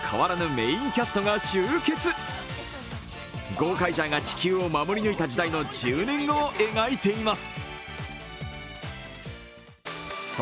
ゴーカイジャーが地球を守り抜いた時代の１０年後を描いています。